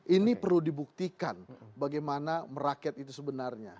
ini perlu dibuktikan bagaimana merakyat itu sebenarnya